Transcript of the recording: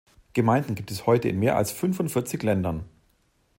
Gemeinden gibt es heute in mehr als fünfundvierzig Ländern.